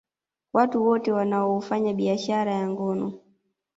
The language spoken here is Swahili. Watu wote wanaoufanya biashara ya ngono